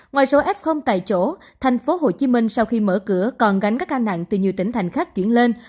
ngoài số f tại chỗ tp hcm sau khi mở cửa còn gánh các ca nặng từ nhiều tỉnh thành khác chuyển lên